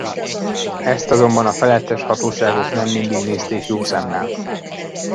Ezt azonban a felettes hatóságok nem mindig nézték jó szemmel.